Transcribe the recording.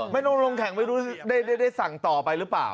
ไม่ต้องลงแข่งไม่รู้ได้สั่งต่อไปหรือเปล่า